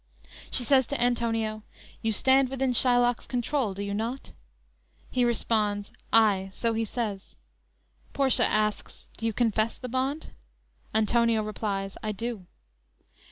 She says to Antonio: "You stand within Shylock's control, do you not?" He responds: "Ay, so he says." Portia asks: "Do you confess the bond?" Antonio replies: "I do."